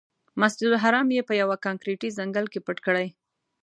مسجدالحرام یې په یوه کانکریټي ځنګل کې پټ کړی.